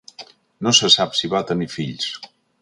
No se sap si va tenir fills.